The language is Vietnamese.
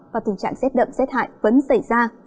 và tình trạng z đậm z hại vẫn xảy ra